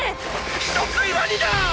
人喰いワニだッ！！